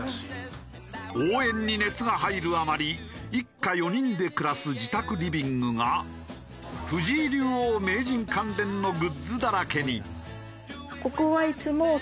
応援に熱が入るあまり一家４人で暮らす自宅リビングが藤井竜王・名人関連のグッズだらけに。